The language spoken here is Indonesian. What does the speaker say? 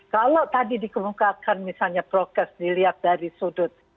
kalau tadi dikemukakan misalnya prokes dilihat dari sudut